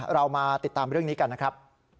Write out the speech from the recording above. เรามาติดตามเรื่องนี้กันนะครับ